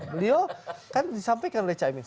beliau kan disampaikan oleh caimin